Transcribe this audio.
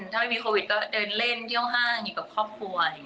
ถ้าไม่มีโควิดก็เดินเล่นเยี่ยวห้างอยู่กับครอบครัว